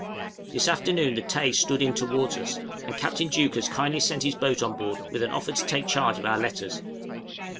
This afternoon the 'Tay' stood in towards us, and Captain Deuchars kindly sent his boat on board with an offer to take charge of our letters.